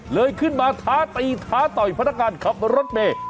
เลยขึ้นมาท้าตีท้าต่อยพนักงานขับรถเมย์